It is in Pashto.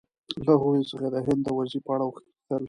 له هغوی څخه یې د هند د وضعې په اړه وپوښتل.